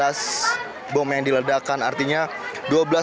artinya dua belas bom ini bentuknya tidak hanya bom tetapi juga bom yang terbakar